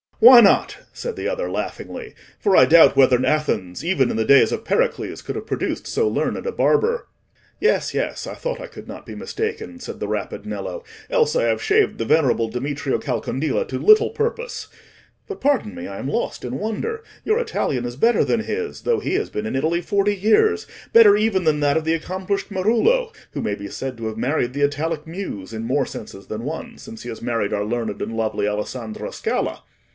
"Why not?" said the other, laughingly; "for I doubt whether Athens, even in the days of Pericles, could have produced so learned a barber." "Yes, yes; I thought I could not be mistaken," said the rapid Nello, "else I have shaved the venerable Demetrio Calcondila to little purpose; but pardon me, I am lost in wonder: your Italian is better than his, though he has been in Italy forty years—better even than that of the accomplished Marullo, who may be said to have married the Italic Muse in more senses than one, since he has married our learned and lovely Alessandra Scala."